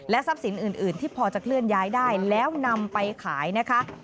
ทรัพย์สินอื่นที่พอจะเคลื่อนย้ายได้แล้วนำไปขายนะคะ